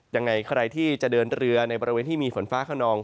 ยังไงใครที่จะเดินเรือในบริเวณที่มีฝนฟ้าขนอง